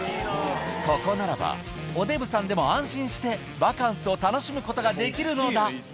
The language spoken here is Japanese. ここならば、おデブさんでも安心してバカンスを楽しむことができるのだ。